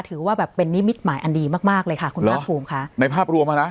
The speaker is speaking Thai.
ถือว่าแบบเป็นนิมิตหมายอันดีมากมากเลยค่ะคุณภาคภูมิค่ะในภาพรวมอ่ะนะ